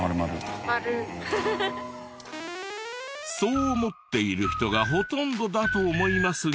そう思っている人がほとんどだと思いますが。